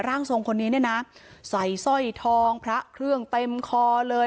ร่างทรงคนนี้เนี่ยนะใส่สร้อยทองพระเครื่องเต็มคอเลย